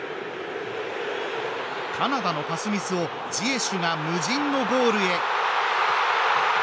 カナダのパスミスをジエシュが無人のゴールへ。